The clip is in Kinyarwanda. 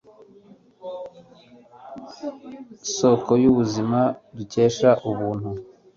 soko y'ubuzima dukesha ubuntu